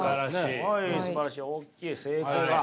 すばらしい大きい成功が。